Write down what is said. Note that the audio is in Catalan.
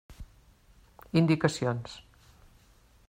Indicacions: